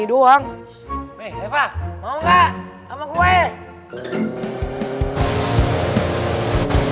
sampai jumpa lagi